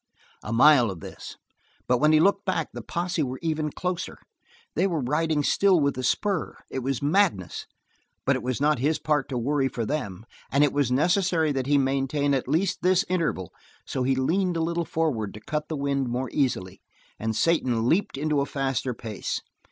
A mile of this, but when he looked back the posse were even closer. They were riding still with the spur! It was madness, but it was not his part to worry for them, and it was necessary that he maintain at least this interval, so he leaned a little forward to cut the wind more easily, and Satan leaped into a faster pace.